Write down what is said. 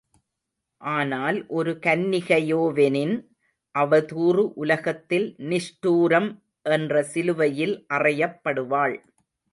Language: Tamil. ஆனால் ஒரு கன்னிகையோ வெனின், அவதூறு, உலகத்தில் நிஷ்டூரம் என்ற சிலுவையில் அறையப்படுவாள்.